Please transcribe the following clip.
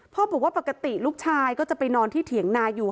บอกว่าปกติลูกชายก็จะไปนอนที่เถียงนาอยู่